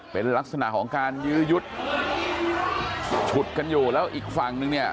เป็นลักษณะของการยื้อยุดฉุดกันอยู่แล้วอีกฝั่งนึงเนี่ย